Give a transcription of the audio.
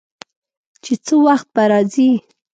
چې څه وخت به راځي.